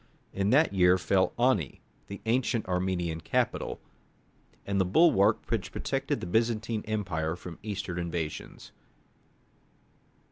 In that year fell Ani, the ancient Armenian capital, and the bulwark which protected the Byzantine Empire from Eastern invasions.